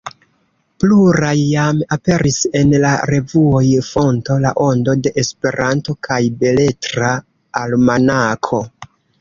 Pluraj jam aperis en la revuoj Fonto, La Ondo de Esperanto kaj Beletra Almanako.